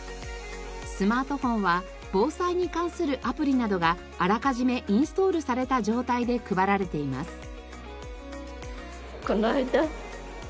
スマートフォンは防災に関するアプリなどがあらかじめインストールされた状態で配られています。